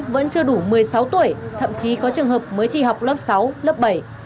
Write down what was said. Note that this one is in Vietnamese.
vẫn chưa đủ một mươi sáu tuổi thậm chí có trường hợp mới chỉ học lớp sáu lớp bảy